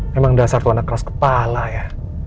memang dasar warna keras kepala ya